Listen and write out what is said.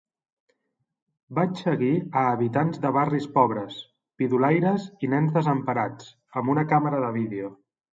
Vaig seguir a habitants de barris pobres, pidolaires i nens desemparats amb una càmera de vídeo.